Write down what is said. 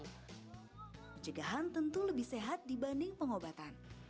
menurut saya penjagaan itu lebih sehat dibanding pengobatan